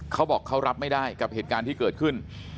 เขาบอกเขารับไม่ได้กับเหตุการณ์ที่เกิดขึ้น